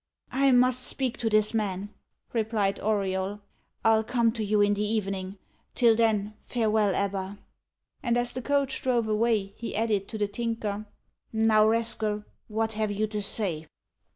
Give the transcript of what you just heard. "I must speak to this man," replied Auriol. "I'll come to you in the evening. Till then, farewell, Ebba." And, as the coach drove away, he added to the Tinker, "Now, rascal, what have you to say?"